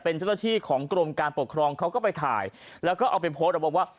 เป็นเจ้าหน้าที่ของกรมการปกครองเขาก็ไปถ่ายแล้วก็เอาไปโพสต์เอาไว้ว่า